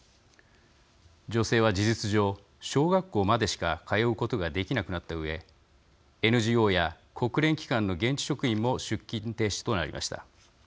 女性は事実上、小学校までしか通うことができなくなったうえＮＧＯや国連機関の現地職員も出勤停止となりました。